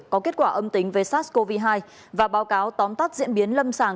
có kết quả âm tính với sars cov hai và báo cáo tóm tắt diễn biến lâm sàng